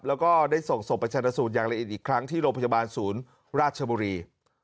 แล้วก็ได้ส่งศพไปชนะสูตรอย่างละเอียดอีกครั้งที่โรงพยาบาลศูนย์ราชบุรี